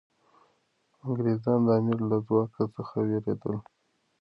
انګریزان د امیر له ځواک څخه ویرېدل.